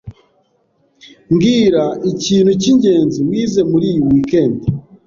Mbwira ikintu cyingenzi wize muri iyi weekend.